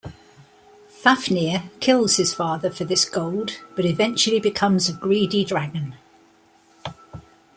Fafnir kills his father for this gold, but eventually becomes a greedy dragon.